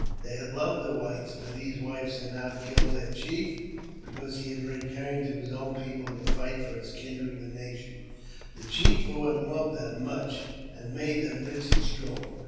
They had loved the whites, but those whites had now killed their chief because he had returned to his own people to fight for his kindred and nation — the chief who had loved them much, and made them rich and strong.